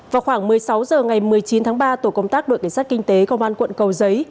vào khoảng một mươi sáu h ngày một mươi chín tháng ba tổ công tác đội cảnh sát kinh tế công an quận cầu giấy